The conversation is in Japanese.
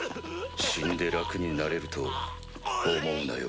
死んで楽になれると思うなよ。